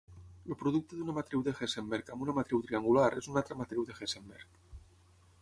El producte d'una matriu de Hessenberg amb una matriu triangular és una altra matriu de Hessenberg.